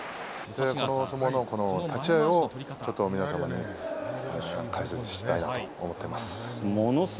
相撲の立ち合いを皆様に解説したいと思っています。